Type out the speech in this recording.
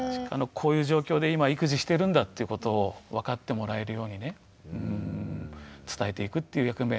こういう状況で今育児してるんだということを分かってもらえるようにね伝えていくという役目。